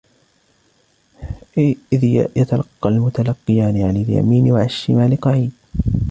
إذ يتلقى المتلقيان عن اليمين وعن الشمال قعيد